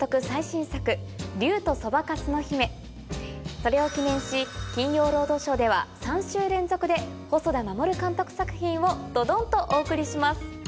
それを記念し『金曜ロードショー』では３週連続で細田守監督作品をドドンとお送りします。